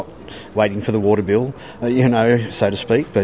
karena mereka tidak menunggu pasirnya